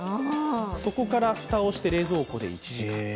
そこからふたをして冷蔵庫で１時間。